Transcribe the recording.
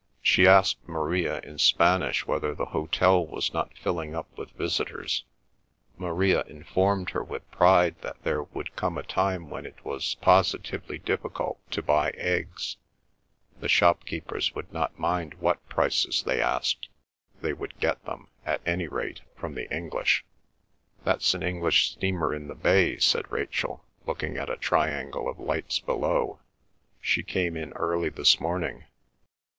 She asked Maria in Spanish whether the hotel was not filling up with visitors. Maria informed her with pride that there would come a time when it was positively difficult to buy eggs—the shopkeepers would not mind what prices they asked; they would get them, at any rate, from the English. "That's an English steamer in the bay," said Rachel, looking at a triangle of lights below. "She came in early this morning."